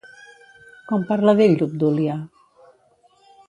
Com parla d'ell l'Obdúlia?